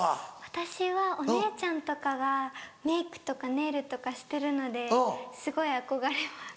私はお姉ちゃんとかがメークとかネイルとかしてるのですごい憧れます。